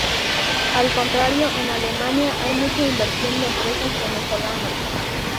Al contrario en Alemania hay mucha inversión de empresas venezolanas.